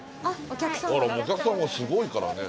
お客さんがすごいからね。